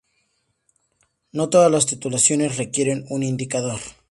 No todas las titulaciones requieren un indicador.